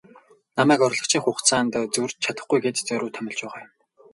Намайг орлогчийн хугацаанд зөрж чадахгүй гээд зориуд томилж байгаа юм.